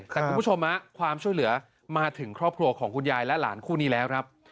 แต่คุณผู้ชมความช่วยเหลือมาถึงครอบครัวของคุณยายและหลานคู่นี้แล้วครับ